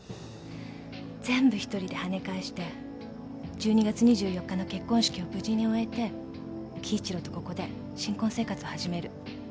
全部１人ではね返して１２月２４日の結婚式を無事に終えて輝一郎とここで新婚生活を始める。